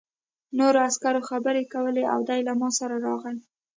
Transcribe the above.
نورو عسکرو خبرې کولې او دی له ما سره راغی